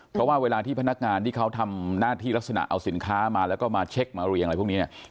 เพราะว่าเวลาที่พนักงานที่เขาทำหน้าที่ลักษณะเอาสินค้ามาแล้วก็มาเช็คมาเรียงอะไรพวกนี้เนี่ย